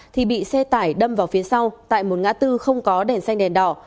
thì bị xe tải đâm vào phía sau tại một ngã tư không có đèn xanh đèn đỏ